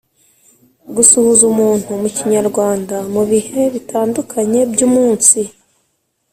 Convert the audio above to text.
gusuhuza umuntu mu kinyarwanda mu bihe bitandukanye by‘umunsi..